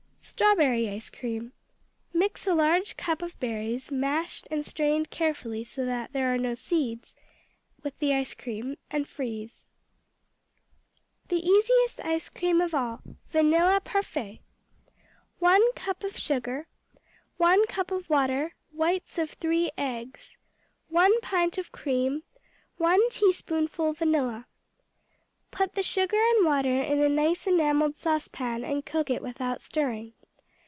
Strawberry Ice cream Mix a large cup of berries, mashed and strained carefully so that there are no seeds, with the ice cream, and freeze. The Easiest Ice cream of All Vanilla Parfait 1 cup of sugar. 1 cup of water. Whites of three eggs. 1 pint of cream. 1 teaspoonful vanilla. Put the sugar and water in a nice enamelled saucepan and cook it without stirring.